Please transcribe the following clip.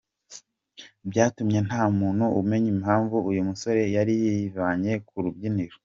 Byatumye nta muntu umenya impamvu uyu musore yari yivanye ku rubyiniro.